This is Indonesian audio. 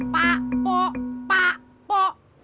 pak pok pak pok